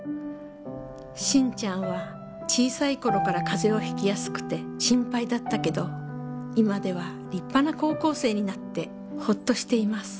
「慎ちゃんは小さい頃から風邪をひきやすくて心配だったけど今では立派な高校生になってホッとしています。